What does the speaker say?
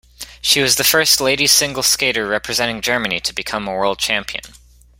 She was the first ladies' single skater representing Germany to become a world champion.